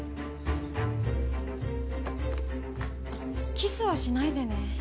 キスはしないでね。